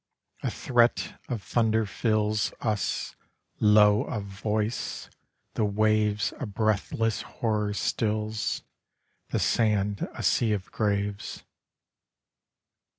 A threat of thunder fills Us. Lo, a voice! The waves A breathless horror stills; The sand, a sea of graves.